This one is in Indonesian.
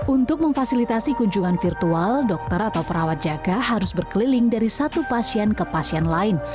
untuk memfasilitasi kunjungan virtual dokter atau perawat jaga harus berkeliling dari satu pasien ke pasien lain